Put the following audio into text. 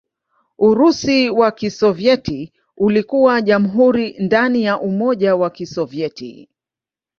Urusi wa Kisovyeti ulikuwa jamhuri ndani ya Umoja wa Kisovyeti.